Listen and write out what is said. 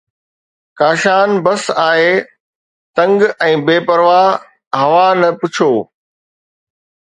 ڪاشان بس آهي تنگ ۽ بي پرواهه! هوا نه پڇو